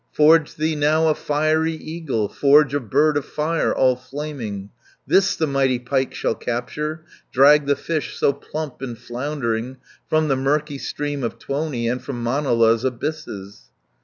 Forge thee now a fiery eagle. Forge a bird of fire all flaming! 180 This the mighty pike shall capture, Drag the fish so plump and floundering, From the murky stream of Tuoni, And from Manala's abysses."